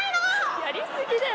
やりすぎだよ。